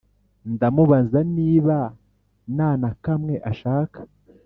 ndamubaza niba nanakamwe ashaka